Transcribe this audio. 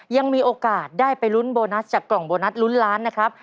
ยังมีโอกาสได้ไปลุ้นโบนัสจากกล่องโบนัสลุ้นล้านนะครับ